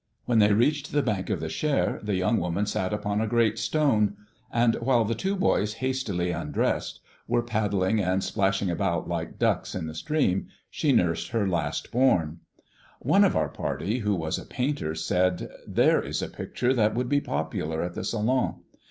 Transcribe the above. When they reached the bank of the Cher, the young woman sat upon a great stone; and while the two boys, hastily undressed, were paddling and splashing about like ducks in the stream, she nursed her last born. One of our party, who was a painter, said, "There is a picture that would be popular at the Salon.